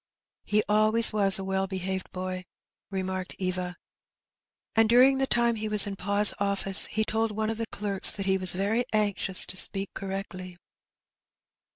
"He alwaj^ was a well behaved boy/' remarked Eva; " and during the time he was in pa's oflSce he told one of the clerks that he was very anxious to speak correctly."